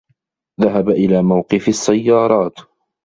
ذهب إلى موقف السّيّارات.